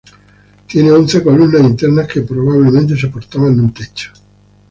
Tiene once columnas internas que probablemente soportaban un techo.